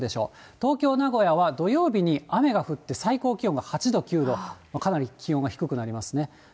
東京、名古屋は土曜日に雨が降って、最高気温が８度、９度、かなり気温が低くなりますね。